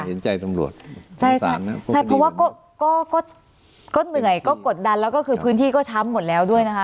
เพราะว่าก็เหนื่อยก็กดดันแล้วก็คือพื้นที่ก็ช้ำหมดแล้วด้วยนะคะ